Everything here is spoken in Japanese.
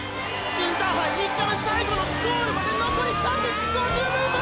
インターハイ３日目最後のゴールまでのこり３５０ｍ！！